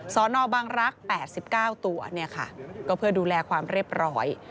สอนอบังรักษณ์๘๙ตัวเพื่อดูแลความเรียบร้อย